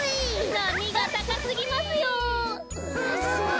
なみがたかすぎますよ！